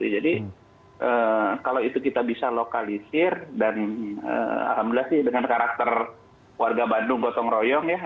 jadi kalau itu kita bisa lokalisir dan alhamdulillah sih dengan karakter warga bandung gotong royong ya